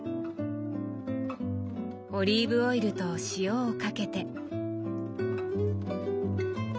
オリーブオイルと塩をかけて。